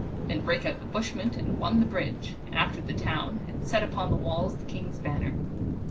Then brake out the bushment and won the bridge, and after the town, and set upon the walls the king's banner.